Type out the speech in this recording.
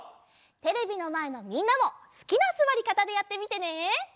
テレビのまえのみんなもすきなすわりかたでやってみてね！